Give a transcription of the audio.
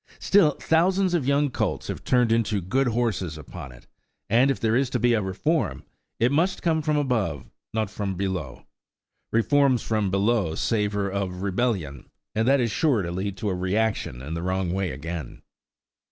Still, thousands of young colts have turned into good horses upon it; and if there is to be a reform, it must come from above, not from below. Reforms from below savour of rebellion, and that is sure to lead to a reaction the wrong way again.